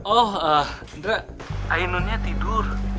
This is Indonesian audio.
oh indra ainunnya tidur